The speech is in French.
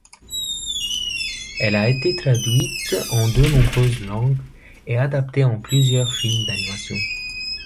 Elle a été traduite en de nombreuses langues et adaptée en plusieurs films d'animation.